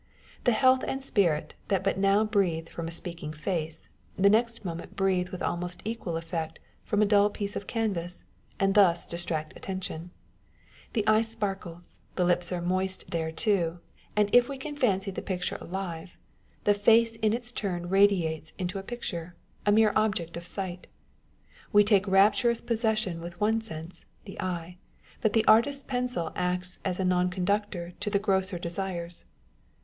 The health and spirit that but now breathed from a speaking face, the next moment breathe with almost equal effect from a dull piece of canvas, and thus distract attention : the eye sparkles, the lips are moist there too ; and if we can fancy the picture alive, the face in its turn fades into a picture, a mere object of sight. We take rapturous possession with one sense â€" the eye ; but the artist's pencil acts as a non conductor to the grosser desires.